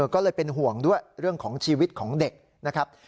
ก็เลยเป็นห่วงด้วยเรื่องของชีวิตของเด็กนะครับ